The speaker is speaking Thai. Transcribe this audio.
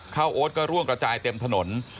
โอ๊ตก็ร่วงกระจายเต็มถนน